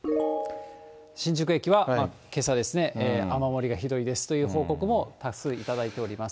新宿駅はけさですね、雨漏りがひどいですという報告も多数頂いております。